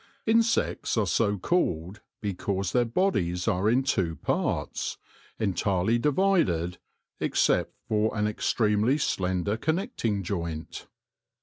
Insects are so called because their bodies are in two parts, entirely divided except for an extremely slender connecting joint.